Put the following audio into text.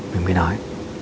mình mới nói